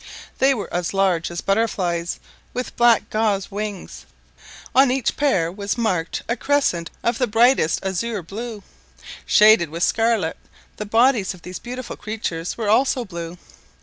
They were as large as butterflies, with black gauze wings; on each pair was marked a crescent of the brightest azure blue, shaded with scarlet; the bodies of these beautiful creatures were also blue.